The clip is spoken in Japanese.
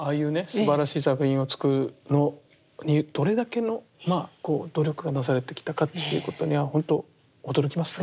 すばらしい作品を作るのにどれだけの努力がなされてきたかっていうことにはほんと驚きますね。